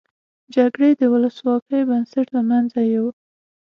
جګړې د ولسواکۍ بنسټ له مینځه یوړ.